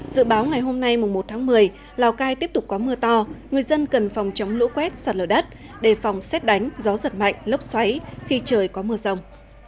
dự báo ngày hôm nay một tháng một mươi lào cai tiếp tục có mưa to người dân cần phòng chống lũ quét sạt lở đất đề phòng xét đánh gió giật mạnh lốc xoáy khi trời có mưa rồng